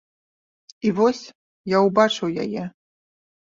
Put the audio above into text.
І вось я ўбачыў яе.